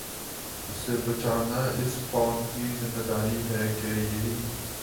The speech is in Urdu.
سے بچانا اس قوم کی ذمہ داری ہے کہ یہی